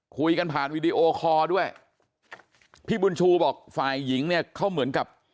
คุยกันผ่านวีดีโอคอร์ด้วยพี่บุญชูบอกฝ่ายหญิงเนี่ยเขาเหมือนกับ